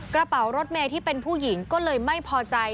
กระเป๋ารถเมย์ที่เป็นผู้หญิงก็เลยไม่พอใจ